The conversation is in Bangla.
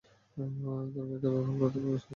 তোর ভাইকে ব্যবহার করে, তোর পরিবারকে শেষ করে দিব।